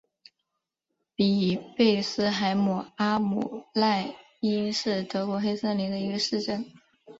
比贝斯海姆阿姆赖因是德国黑森州的一个市镇。